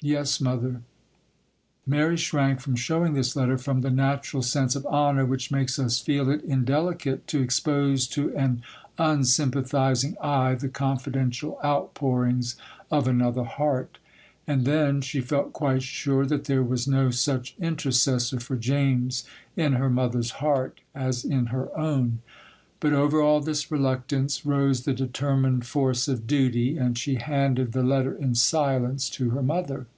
'Yes, mother.' Mary shrank from showing this letter, from the natural sense of honour which makes us feel it indelicate to expose to an unsympathising eye the confidential outpourings of another heart; and then, she felt quite sure that there was no such intercessor for James in her mother's heart as in her own. But over all this reluctance rose the determined force of duty; and she handed the letter in silence to her mother.